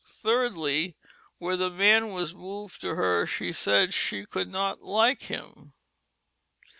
3rdlie: Where the man was moved to her shee said shee could not like him.